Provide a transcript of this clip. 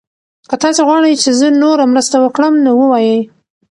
که تاسي غواړئ چې زه نوره مرسته وکړم نو ووایئ.